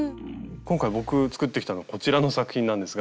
今回僕作ってきたのがこちらの作品なんですが。